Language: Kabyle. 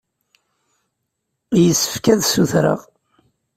Yessefk ad ssutreɣ.